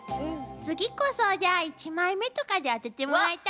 次こそじゃあ１枚目とかで当ててもらいたいわね。